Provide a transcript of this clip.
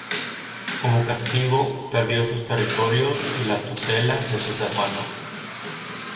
Como castigo, perdió sus territorios y la tutela de sus hermanos.